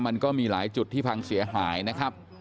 มันก็มีหลายจุดที่พังเสียหายนะครับ